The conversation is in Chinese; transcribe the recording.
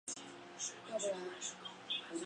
落魄街头靠著施舍过活